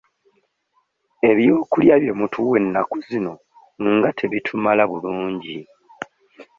Ebyokulya bye mutuwa ennaku zino nga tebitumala bulungi?